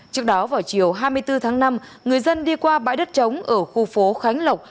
trước đó vào chiều hai mươi bốn tháng năm người dân đi qua bãi đất trống ở khu phố khánh lộc